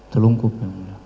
telungkup ya mulia